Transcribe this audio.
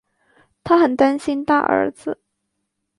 她很担心大儿子